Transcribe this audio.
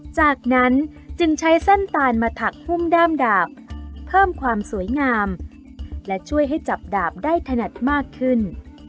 จากนั้นจึงใช้เส้นตาลมาถักพุ่มด้ามดาบเพิ่มความสวยงามและช่วยให้จับดาบได้ถนัดมากขึ้น